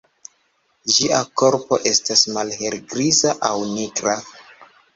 Ĝia korpo estas malhelgriza aŭ nigra.